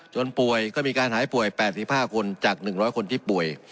จนป่วยก็มีการหายป่วยแปดสิบห้าคนจากหนึ่งร้อยคนที่ป่วย